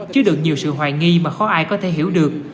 chứa được nhiều sự hoài nghi mà khó ai có thể hiểu được